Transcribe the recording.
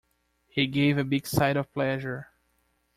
He gave a big sigh of pleasure.